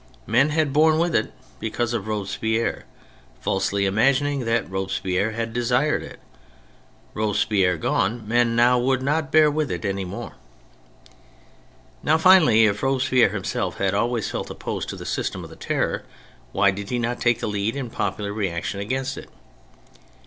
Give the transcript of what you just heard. Men had borne with it because of Robespierre, falsely imagining that Robespierre had desired it. Robespierre gone, men w^ould not bear with it any more. Now, finally, if Robespierre himself had always felt opposed to the system of the Terror, why did he not take the lead in the popular reaction against it